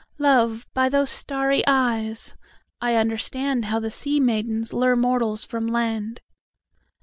Love, by those starry eyesI understandHow the sea maidens lureMortals from land.